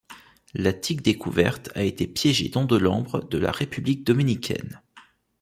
La tique découverte a été piégée dans de l'ambre de la République dominicaine.